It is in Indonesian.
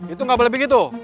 itu nggak boleh begitu